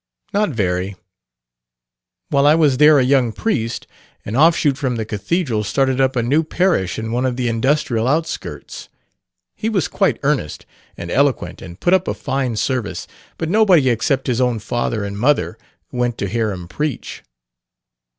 "Not very. While I was there a young 'priest,' an offshoot from the cathedral, started up a new parish in one of the industrial outskirts. He was quite earnest and eloquent and put up a fine service; but nobody except his own father and mother went to hear him preach."